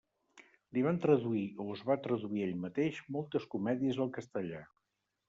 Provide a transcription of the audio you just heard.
Li van traduir, o es va traduir ell mateix, moltes comèdies al castellà.